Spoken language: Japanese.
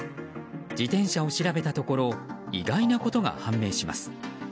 自転車を調べたところ意外なことが判明します。